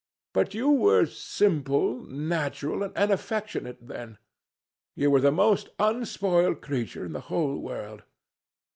But you were simple, natural, and affectionate then. You were the most unspoiled creature in the whole world.